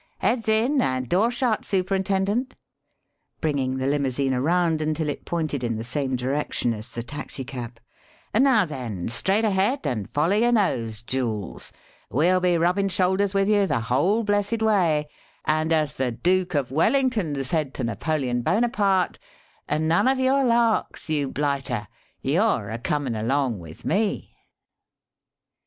'Eads in and door shut, Superintendent," bringing the limousine around until it pointed in the same direction as the taxicab. "Now then, straight ahead, and foller yer nose, Jules; we'll be rubbin' shoulders with you the whole blessed way. And as the Dook of Wellington said to Napoleon Bonaparte, 'None of your larks, you blighter you're a comin' along with me!'"